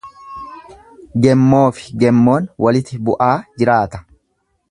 Gemmoofi gemmoon waliti bu'aa jiraata.